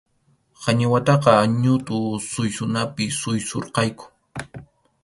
Qañiwataqa ñutʼu suysunapi suysurqayku.